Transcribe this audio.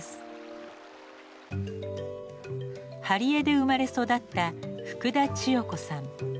針江で生まれ育った福田千代子さん。